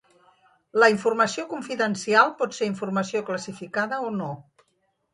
La informació confidencial pot ser informació classificada o no.